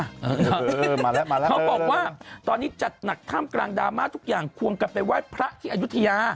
เขาบอกว่าตอนนี้จัดหนักถ้ำกลางดามาทุกอย่างควงกับไปไว้พระที่อยุธยา